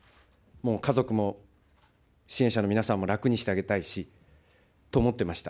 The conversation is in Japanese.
もう家族も支援者の皆さんも楽にしてあげたいしと思ってました。